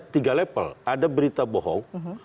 tiga level ada berita bohong